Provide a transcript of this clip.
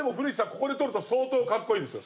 ここでとると相当かっこいいですよ。